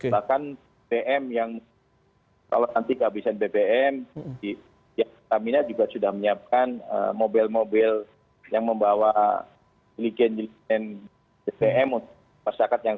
bahkan bpm yang kalau nanti kehabisan bpm di terminal juga sudah menyiapkan mobil mobil yang membawa milikian bpm untuk masyarakat yang